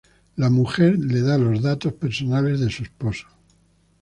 La mujer le da los datos personales de su esposo.